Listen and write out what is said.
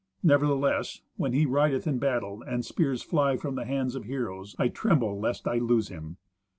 Nevertheless, when he rideth in battle, and spears fly from the hands of heroes, I tremble lest I lose him.